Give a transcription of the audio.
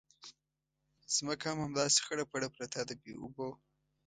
ځمکه هم همداسې خړه پړه پرته ده بې اوبو.